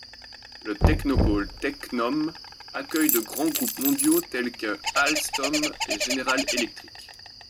Le Technopôle Techn'hom accueille de grands groupes mondiaux tels qu'Alstom et General Electric.